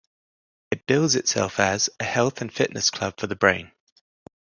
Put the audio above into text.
It bills itself as "a health and fitness club for the brain".